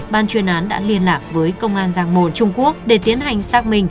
ban chuyên án đã liên lạc với công an giang mồ trung quốc để tiến hành xác minh